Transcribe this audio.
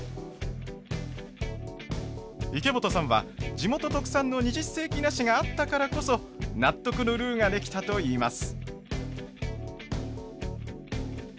池本さんは地元特産の二十世紀梨があったからこそ納得のルーが出来たといいます。